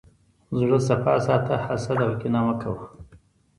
زړه صفا ساته، حسد او کینه مه کوه.